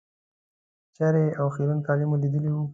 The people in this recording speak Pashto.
چېرې او خیرن کالي مو لوېدلي وو.